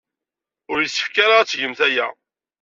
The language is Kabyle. Ur yessefk ara ad tgemt aya.